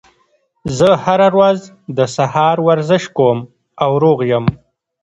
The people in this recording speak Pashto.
زه هره ورځ د سهار ورزش کوم او روغ یم